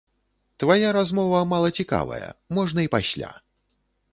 Твая размова мала цікавая, можна і пасля!